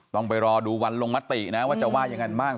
ต้องไปรอดูวันลงมตินะว่าจะว่ายังไงบ้าง